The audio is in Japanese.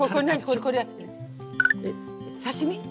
刺身？